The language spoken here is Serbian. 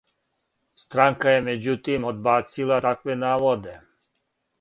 Странка је међутим одбацила такве наводе.